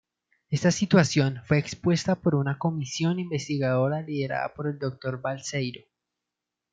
Esta situación fue expuesta por una comisión investigadora liderada por el Dr. Balseiro.